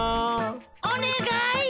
おねがい！